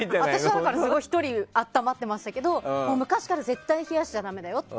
私は１人で暖まってましたけど昔から絶対に冷やしちゃだめだよ